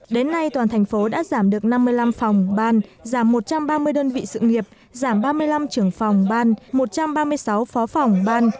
đến nay toàn thành phố đã giảm được năm mươi năm phòng ban giảm một trăm ba mươi đơn vị sự nghiệp giảm ba mươi năm trưởng phòng ban một trăm ba mươi sáu phó phòng ban